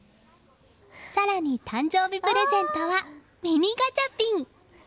更に、誕生日プレゼントはミニガチャピン。